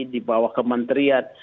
di bawah kementrian